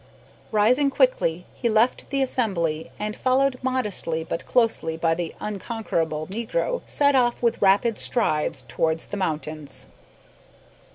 Rising quickly, he left the assembly and, followed modestly but closely by the unconquerable negro, set off with rapid strides towards the mountains.